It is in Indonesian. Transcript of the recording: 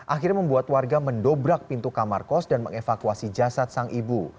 akhirnya membuat warga mendobrak pintu kamar kos dan mengevakuasi jasad sang ibu